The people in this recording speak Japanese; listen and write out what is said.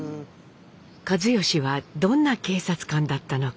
一嚴はどんな警察官だったのか？